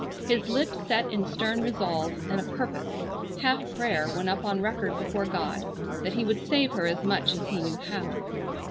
His lips set in stern resolve, and a purpose, half prayer, went up on record before God, that he would save her as much as he knew how.